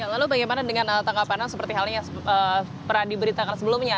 lalu bagaimana dengan tangkapan seperti halnya yang pernah diberitakan sebelumnya